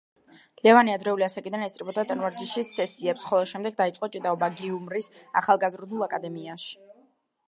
ლევანი ადრეული ასაკიდან ესწრებოდა ტანვარჯიშის სესიებს, ხოლო შემდეგ დაიწყო ჭიდაობა გიუმრის ახალგაზრდულ აკადემიაში.